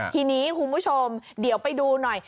ทีนี้คุณผู้ชมเดี๋ยวไปดูหน่อย